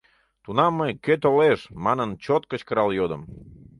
Тунам мый, кӧ толеш, манын чот кычкырал йодым.